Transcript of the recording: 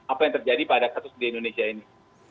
apa yang terjadi pada kasus di indonesia ini